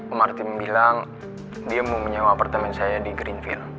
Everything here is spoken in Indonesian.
om martin bilang dia mau menyewa apartemen saya di greenville